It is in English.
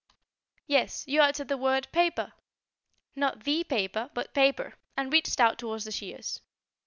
"Yes, you uttered the word 'paper!' not the paper, but 'paper!' and reached out towards the shears.